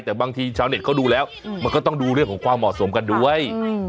แต่บางทีชาวเน็ตเขาดูแล้วมันก็ต้องดูเรื่องของความเหมาะสมกันด้วย